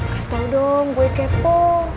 kasih tau dong gue kepo